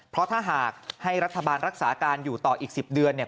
เพราะถ้าหากให้รัฐบาลรักษาการอยู่ต่ออีก๑๐เดือนเนี่ย